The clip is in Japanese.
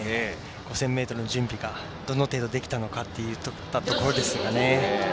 ５０００ｍの準備がどの程度できたのかというところですね。